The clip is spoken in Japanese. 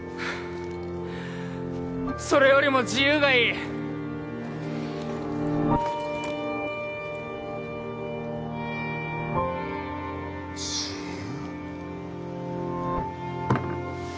それよりも自由がいい自由？